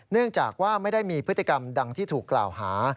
เนื่องจากว่าไม่ได้มีพฤติกรรมดังที่ถูกกล่าวหา